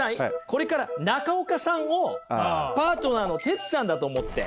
これから中岡さんをパートナーのテツさんだと思って。